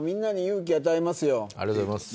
ありがとうございます。